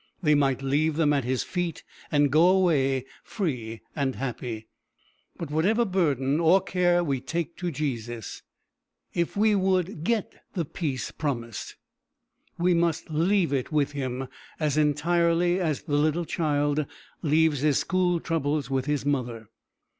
They might leave them at his feet and go away free and happy. But whatever burden or care we take to Jesus, if we would get the peace promised, we must leave it with Him as entirely as the little child leaves his school troubles with his mother.